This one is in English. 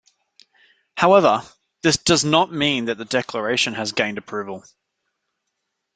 However, this does not mean that the Declaration has gained approval.